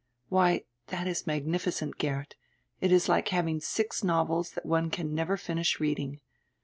"Why, that is magnificent, Geert. It is like having six novels that one can never finish reading.